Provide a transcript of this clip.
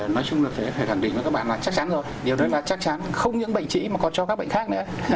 nói chung là thế phải khẳng định với các bạn là chắc chắn rồi điều đấy là chắc chắn không những bệnh trĩ mà còn cho các bệnh khác nữa